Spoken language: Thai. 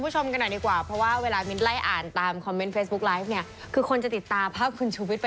ช่วงหน้ากลับมาติดตามรายการกันต่อค่ะ